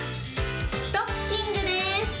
ストッキングです。